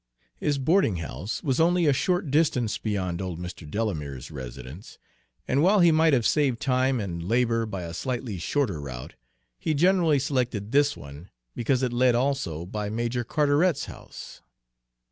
His boarding house was only a short distance beyond old Mr. Delamere's residence, and while he might have saved time and labor by a slightly shorter route, he generally selected this one because it led also by Major Carteret's house.